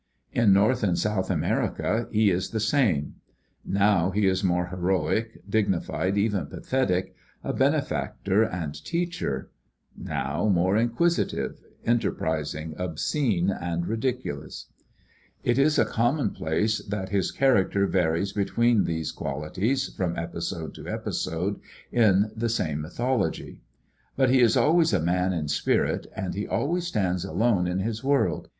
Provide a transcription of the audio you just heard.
In North and South America he is the same. Now he is more heroic, dignified, even pathetic, a benefactor and 92 University of California Publications. (AM. ARCH. ETH. teacher^ now more inquisitive, enterprising, obscene, and ridicu lous. It is a commonplace that his character varies between these qualities from episode to episode in the same mythology. But he is always a man in spirit, and he always stands alone in his world.